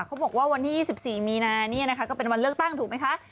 เขาบอกว่าวันที่๒๔มีนานี่นะคะก็เป็นวันเลือกตั้งถูกไหมคะ